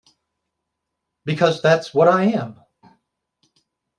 Because that's what I am!